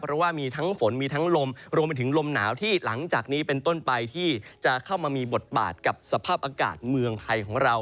เพราะว่ามีทั้งฝนมีทั้งลมรวมไปถึงลมหนาวที่หลังจากนี้เป็นต้นไปที่จะเข้ามามีบทบาทกับสภาพอากาศเมืองไทยของเรา